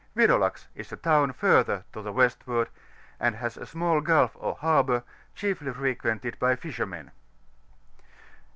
WX&OIuikZ is a town frirther to the westward, and has a small gulf or harbour, chiefly frequented by fishermen.